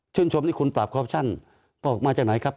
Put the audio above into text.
ชมที่คุณปราบคอปชั่นว่าออกมาจากไหนครับ